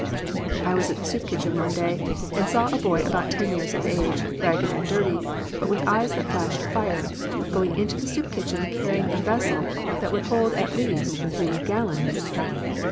I was at the soup kitchen one day, and saw a boy about ten years of age, ragged and dirty, but with eyes that flashed fire, going into the soup kitchen car rying a vessel that would hold at least three gal lons.